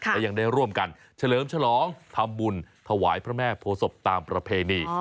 และยังได้ร่วมกันเฉลิมฉลองทำบุญถวายพระแม่โพศพตามประเพณี